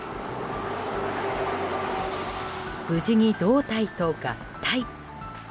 無事に胴体と合体。